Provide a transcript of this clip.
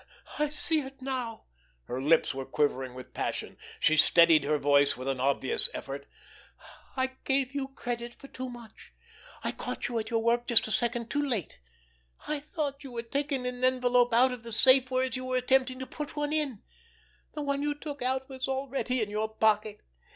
"I see it now!" Her lips were quivering with passion. She steadied her voice with an obvious effort. "I gave you credit for too much! I caught you at your work just a second too late. I thought you were taking an envelope out of the safe, whereas you were attempting to put one in! The one you took out was already in your pocket.